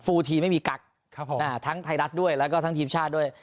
ทีไม่มีกั๊กทั้งไทยรัฐด้วยแล้วก็ทั้งทีมชาติด้วย